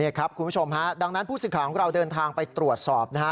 นี่ครับคุณผู้ชมฮะดังนั้นผู้สื่อข่าวของเราเดินทางไปตรวจสอบนะฮะ